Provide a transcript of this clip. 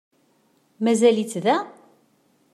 Mazal-itt da?